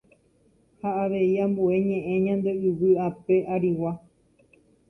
ha avei ambue ñe'ẽ ñande yvy ape arigua.